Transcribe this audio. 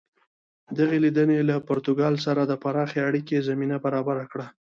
دغې لیدنې له پرتګال سره د پراخې اړیکې زمینه برابره کړه.